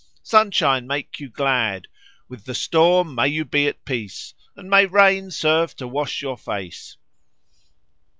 Sunshine make you glad; with the storm may you be at peace; and may rain serve to wash your face!"